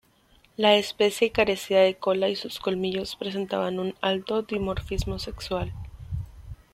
La especie carecía de cola y sus colmillos presentaban un alto dimorfismo sexual.